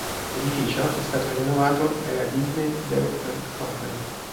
L'edificio è stato rinnovato dalla Disney Development Company.